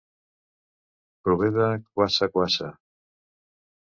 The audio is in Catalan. Prové de kwassa kwassa.